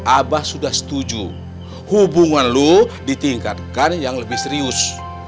abah sudah setuju hubungan lo ditingkatkan yang lebih serius